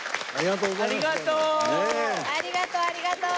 ありがとうありがとう！